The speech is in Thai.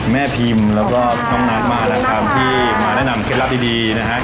แล้วก็ถ้องนามมาที่มาแนะนำเคล็ดรับดีนะครับ